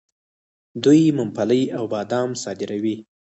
دوی ممپلی او بادام صادروي.